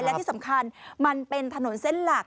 และที่สำคัญมันเป็นถนนเส้นหลัก